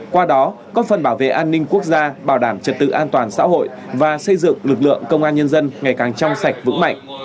qua đó có phần bảo vệ an ninh quốc gia bảo đảm trật tự an toàn xã hội và xây dựng lực lượng công an nhân dân ngày càng trong sạch vững mạnh